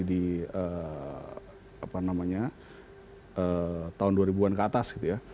jadi di tahun dua ribu an ke atas gitu ya